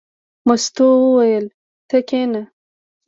مستو وویل: ته کېنه.